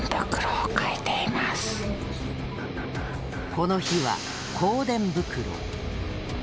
この日は、香典袋。